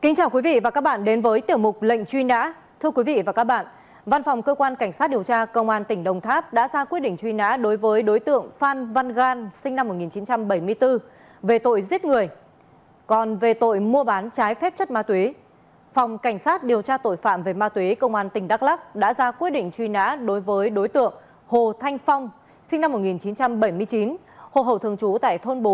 hãy đăng ký kênh để ủng hộ kênh của chúng mình nhé